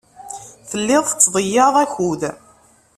Telliḍ tettḍeyyiɛeḍ akud.